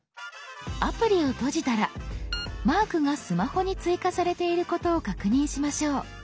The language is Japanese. アプリを閉じたらマークがスマホに追加されていることを確認しましょう。